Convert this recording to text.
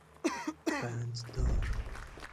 بنددار